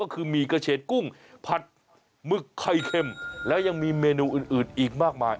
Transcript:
ก็คือหมี่กระเฉดกุ้งผัดหมึกไข่เข้มแล้วยังมีเมนูอื่นอีกมากมาย